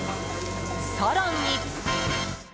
更に。